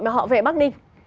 mà họ về bắc ninh